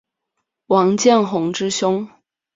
王鸿渐之兄。